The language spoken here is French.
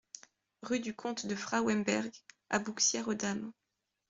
Rue du Comte de Frawenberg à Bouxières-aux-Dames